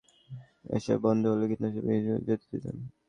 এসব বন্ধ হতো যদি কিনা তুমি ইহুদীদের যেতে দিতে।